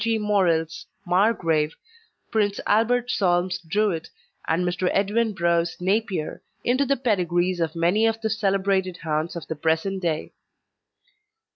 G. Morrel's Margrave, Prince Albert Solm's Druid, and Mr. Edwin Brough's Napier into the pedigrees of many of the celebrated hounds of the present day.